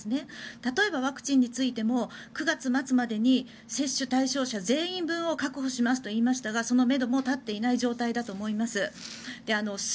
例えばワクチンについても９月末までに接種対象者全員分を確保しますといいましたがそのめども立っていない状態だと思います。